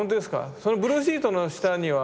そのブルーシートの下には。